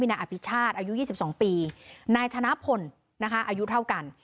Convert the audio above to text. มีนายอภิชาสอายุยี่สิบสองปีนายธนพลนะคะอายุเท่ากัน